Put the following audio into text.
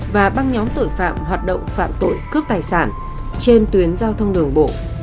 và băng nhóm tội phạm hoạt động phạm tội cướp tài sản trên tuyến giao thông đường bộ